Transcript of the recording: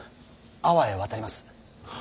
安房へ渡ります。